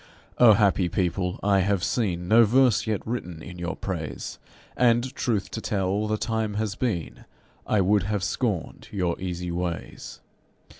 O happy people! I have seen No verse yet written in your praise, And, truth to tell, the time has been I would have scorned your easy ways.